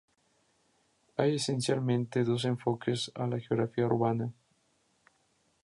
Hay esencialmente dos enfoques a la geografía urbana.